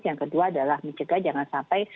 yang kedua adalah mencegah jangan sampai